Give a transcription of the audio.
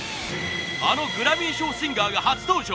あのグラミー賞シンガーが初登場。